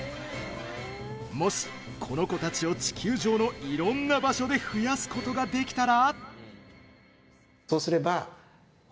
もし、この子たちを地球上のいろんな場所で増やすことができたら。